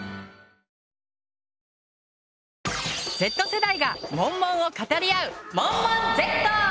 Ｚ世代がモンモンを語り合う「モンモンＺ」！